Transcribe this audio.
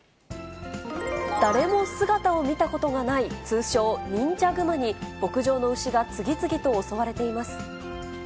誰も姿を見たことがない、通称、忍者グマに、牧場の牛が次々と襲われています。